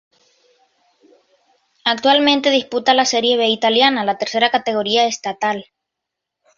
Actualmente disputa la Serie B italiana, la tercera categoría estatal.